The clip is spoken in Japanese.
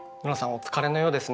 お疲れのようですね。